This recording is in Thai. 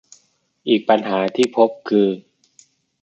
อีกปัญหาที่พบคือ